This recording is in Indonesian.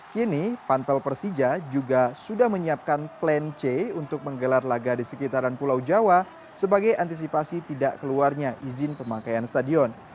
kini panpel persija juga sudah menyiapkan plan c untuk menggelar laga di sekitaran pulau jawa sebagai antisipasi tidak keluarnya izin pemakaian stadion